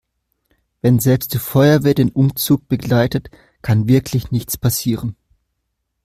Wenn selbst die Feuerwehr den Umzug begleitet, kann wirklich nichts passieren.